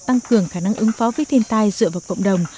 tăng cường khả năng ứng phó với thiên tai dựa vào cộng đồng